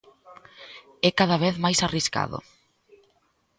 É cada vez máis arriscado...